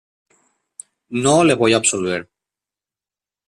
no le voy a absolver.